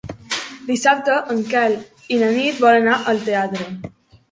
Dissabte en Quel i na Nit volen anar al teatre.